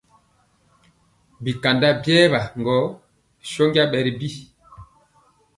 Bi kanda biewa gɔ bi ntoŋgɔ bɛ ri bi.